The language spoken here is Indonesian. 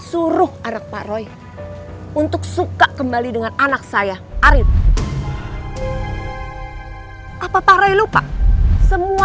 vermant shoes kita suruh sama